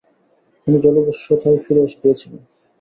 তিনি জলদস্যুতায় ফিরে গিয়েছিলেন।